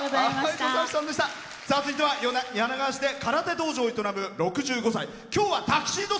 続いては柳川市で空手道場を営む６５歳。